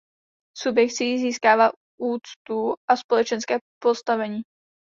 Subjekt si jí získává úctu a společenské postavení.